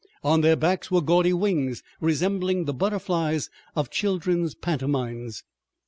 On their backs were gaudy wings resembling the butterflies of children's pantomimes.